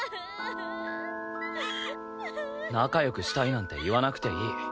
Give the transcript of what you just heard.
仲良くしたいなんて言わなくていい。